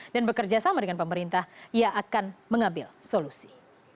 dan bekerja sama dengan pemerintah ia akan mengambil solusi